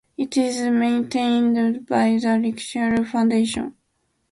It is maintained by the Linux Foundation.